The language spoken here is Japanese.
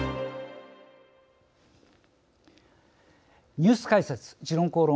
ニュース解説「時論公論」。